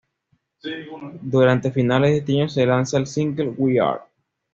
Durante finales de este año se lanza el single ""We are.